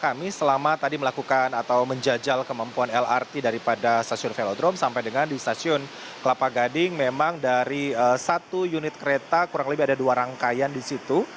kami selama tadi melakukan atau menjajal kemampuan lrt daripada stasiun velodrome sampai dengan di stasiun kelapa gading memang dari satu unit kereta kurang lebih ada dua rangkaian di situ